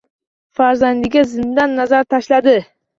Farzandiga zimdan nazar tashladi.